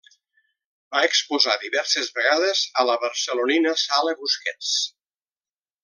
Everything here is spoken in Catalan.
Va exposar diverses vegades a la barcelonina Sala Busquets.